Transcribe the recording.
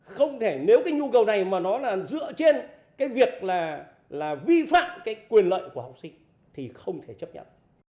không thể nếu cái nhu cầu này mà nó là dựa trên cái việc là vi phạm cái quyền lợi của học sinh thì không thể chấp nhận